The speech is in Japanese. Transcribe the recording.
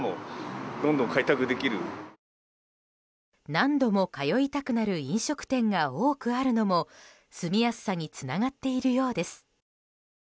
何度も通いたくなる飲食店が多くあるのも住みやすさにつながっているようです。